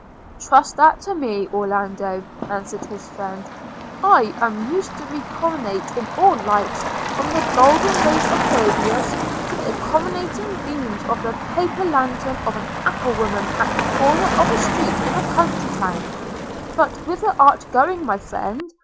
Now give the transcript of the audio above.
'Trust that to me, Orlando.' answered his friend; 'I am used to reconnoitre in all lights, from the golden rays of Phoebus to the accommodating beams of the paper lantern of an apple woman at the corner of a street in a country town. – But whither art going, my friend?